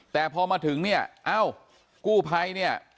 แต่พอมาถึงเนี่ยเอ้ากู้ภัยเนี่ย